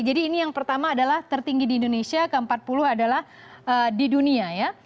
jadi ini yang pertama adalah tertinggi di indonesia ke empat puluh adalah di dunia ya